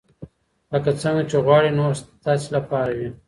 لکه څنګه چې غواړئ نور ستاسې لپاره وي.